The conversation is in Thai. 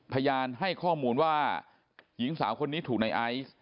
พยานให้ข้อมูลว่าหญิงสาวคนนี้ถูกในไอซ์